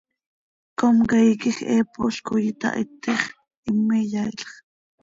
Comcaii quij heepol coi itahitix, him iyaailx.